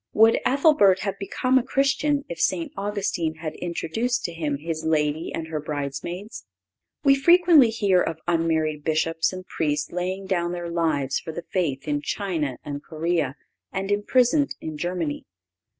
Would Ethelbert have become a Christian if St. Augustine had introduced to him his lady and her bridesmaids?"(532) We frequently hear of unmarried Bishops and Priests laying down their lives for the faith in China and Corea and imprisoned in Germany.